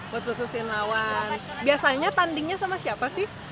buat putusin lawan biasanya tandingnya sama siapa sih